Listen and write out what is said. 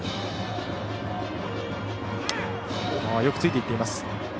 よくついていっています。